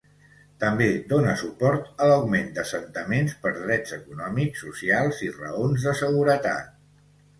També dóna suport a l'augment d'assentaments per drets econòmics, socials i raons de seguretat.